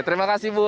terima kasih bu